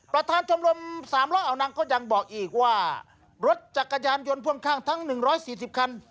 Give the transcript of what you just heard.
ประธานชมรมสามล้อเอานางก็ยังบอกอีกว่ารถจักรยานยนต์พ่วงข้างทั้ง๑๔๐คัน